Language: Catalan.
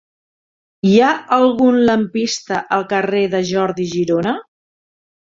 Hi ha algun lampista al carrer de Jordi Girona?